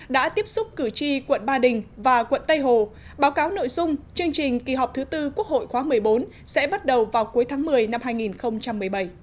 đã tiếp xúc cử tri quận ba đình và quận tây hồ báo cáo nội dung chương trình kỳ họp thứ tư quốc hội khóa một mươi bốn sẽ bắt đầu vào cuối tháng một mươi năm hai nghìn một mươi bảy